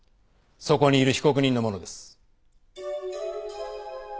そこにいる被告人のものです。